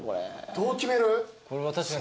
どう決める？